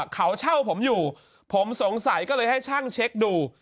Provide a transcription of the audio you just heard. เขาเช่าผมอยู่ผมสงสัยก็เลยให้ช่างเช็คดู